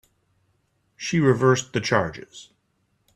She reversed the charges.